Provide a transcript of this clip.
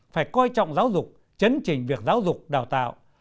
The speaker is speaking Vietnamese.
phải coi trọng giáo dục chấn trình việc giáo dục đào tạo